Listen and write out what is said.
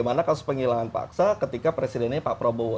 harapan gitu ya